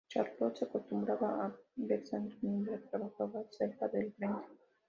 Charlotte se acostumbra a ver sangre mientras trabaja cerca del frente.